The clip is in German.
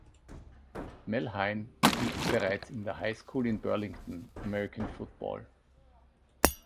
Mel Hein spielte bereits in der Highschool in Burlington American Football.